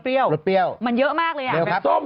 ผลไม้อะไรรสเปรี้ยวมันเยอะมากเลยอ่ะแม่ส้ม